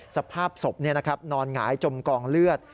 สภาพศพนี่นะครับนอนหงายจมกองเลือด